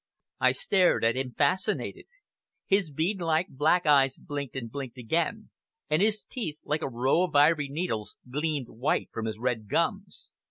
I stared at him fascinated. His bead like, black eyes blinked and blinked again; and his teeth, like a row of ivory needles, gleamed white from his red gums.